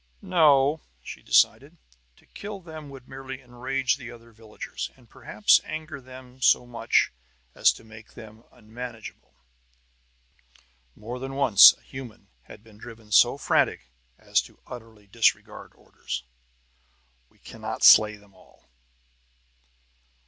"No," she decided. "To kill them would merely enrage the other villagers, and perhaps anger them so much as to make them unmanageable." More than once a human had been driven so frantic as to utterly disregard orders. "We cannot slay them all."